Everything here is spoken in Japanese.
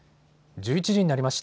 １１時になりました。